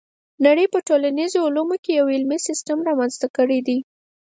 نړۍ په ټولنیزو علومو کې یو علمي سیستم رامنځته کړی دی.